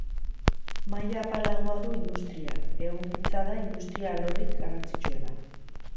Maila apalagoa du industriak; ehungintza da industria-alorrik garrantzitsuena.